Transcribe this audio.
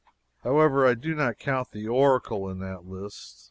However, I do not count the Oracle in that list.